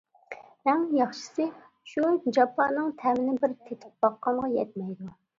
ئەڭ ياخشىسى شۇ جاپانىڭ تەمىنى بىر تېتىپ باققانغا يەتمەيدۇ.